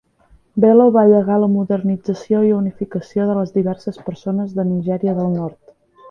Bello va llegar la modernització i unificació de les diverses persones de Nigèria del Nord.